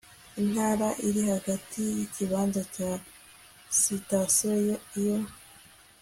intera iri hagati y ikibanza cya sitasiyo iyo